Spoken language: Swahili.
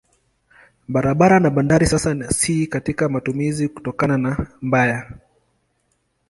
Barabara na bandari sasa si katika matumizi kutokana na mbaya.